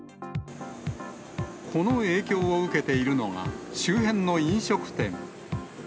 この影響を受けているのが、周辺の飲食店。